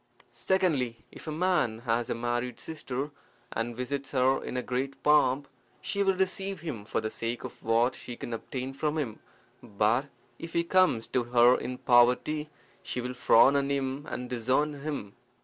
Secondly, If a man has a married sister, and visits her in great pomp, she will receive him for the sake of what she can obtain from him; but if he comes to her in poverty, she will frown on him and disown him.